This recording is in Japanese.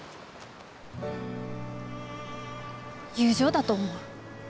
友情だと思う。